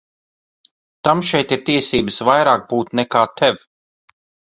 Tam šeit ir tiesības vairāk būt nekā tev.